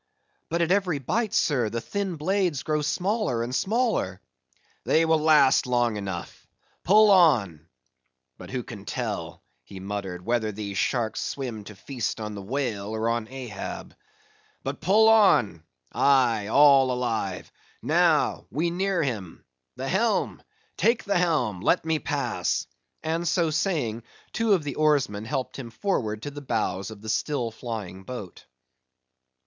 "But at every bite, sir, the thin blades grow smaller and smaller!" "They will last long enough! pull on!—But who can tell"—he muttered—"whether these sharks swim to feast on the whale or on Ahab?—But pull on! Aye, all alive, now—we near him. The helm! take the helm! let me pass,"—and so saying two of the oarsmen helped him forward to the bows of the still flying boat.